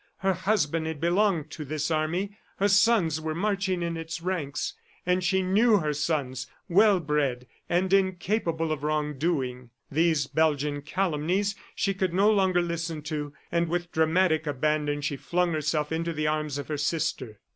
Her husband had belonged to this army, her sons were marching in its ranks. And she knew her sons well bred and incapable of wrong doing. These Belgian calumnies she could no longer listen to ... and, with dramatic abandon, she flung herself into the arms of her sister.